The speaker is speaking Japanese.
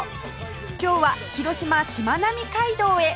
今日は広島しまなみ海道へ